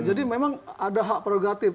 jadi memang ada hak prerogatif